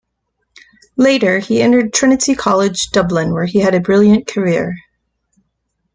Later he entered Trinity College, Dublin, where he had a brilliant career.